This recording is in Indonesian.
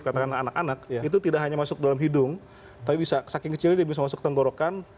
katakan anak anak itu tidak hanya masuk ke dalam hidung tapi bisa saking kecilnya bisa masuk ke tenggorokan